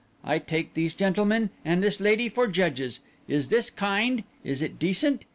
I take these gentlemen and this lady for judges—is this kind? is it decent?